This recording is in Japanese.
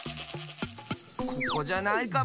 ここじゃないかも。